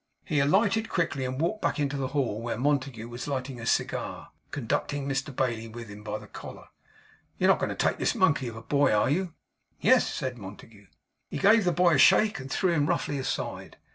He alighted quickly, and walked back into the hall, where Montague was lighting a cigar; conducting Mr Bailey with him, by the collar. 'You are not a going to take this monkey of a boy, are you?' 'Yes,' said Montague. He gave the boy a shake, and threw him roughly aside.